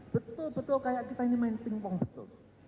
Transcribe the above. betul betul kayak kita ini main pingpong betul